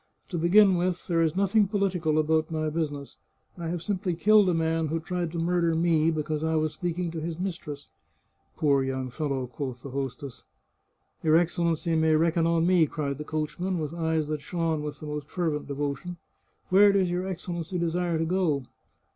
To begin with, there is nothing political about my business. I have simply killed a man who tried to murder me because I was speaking to his mistress." " Poor young fellow !" quoth the hostess. " Your Excellency may reckon on me," cried the coach man, with eyes that shone with the most fervent devotion. " Where does your Excellency desire to gO